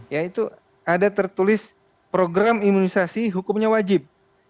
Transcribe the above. ya itu ada tertulis program imunisasi hukumnya wajib